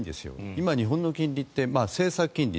今、日本の金利って政策金利